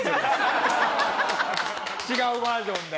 違うバージョンで？